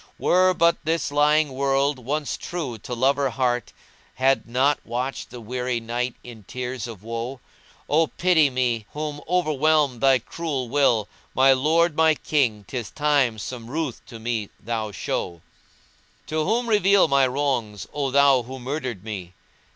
Were but this lying world once true to lover heart * He had not watched the weary night in tears of woe: Oh pity me whom overwhelmed thy cruel will * My lord, my king, 'tis time some ruth to me thou show: To whom reveal my wrongs, O thou who murdered me?